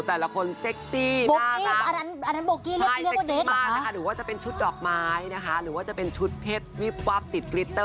แต่ละคนซักซี